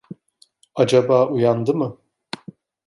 Acaba uyandı mı?